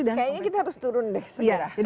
kayanya kita harus turun deh segera